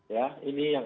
ya ini yang